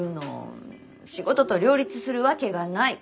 仕事と両立するわけがない。